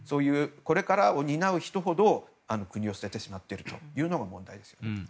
これからを担う人ほど国を捨ててしまっているということが問題です。